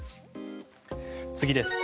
次です。